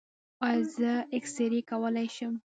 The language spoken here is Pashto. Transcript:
ایا زه اکسرې کولی شم؟